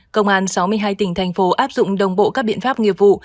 công an sáu mươi hai tỉnh thành phố áp dụng đồng bộ các biện pháp nghiệp vụ